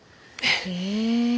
へえ。